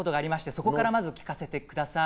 そこからまず聞かせてください。